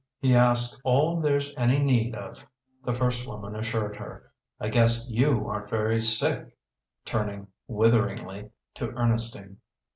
"He asks all there's any need of," the first woman assured her. "I guess you aren't very sick," turning, witheringly, to Ernestine.